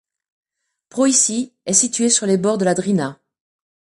Prohići est situé sur les bords de la Drina.